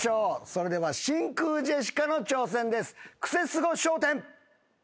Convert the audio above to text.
それでは真空ジェシカの挑戦です。